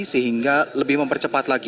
sehingga lebih mempercepat lagi